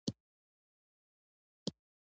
نه پوهېږم څه ووایم، ډېر خوشحال یم